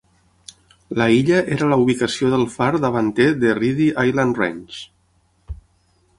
La illa era la ubicació del far davanter de Reedy Island Range.